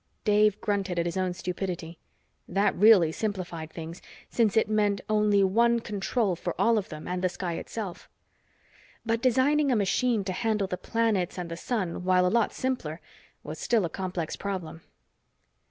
Dave grunted at his own stupidity. That really simplified things, since it meant only one control for all of them and the sky itself. But designing a machine to handle the planets and the sun, while a lot simpler, was still a complex problem.